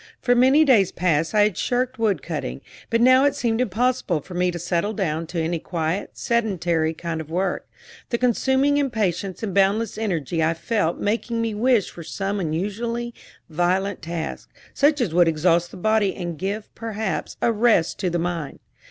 For many days past I had shirked woodcutting; but now it seemed impossible for me to settle down to any quiet, sedentary kind of work, the consuming impatience and boundless energy I felt making me wish for some unusually violent task, such as would exhaust the body and give, perhaps, a rest to the mind.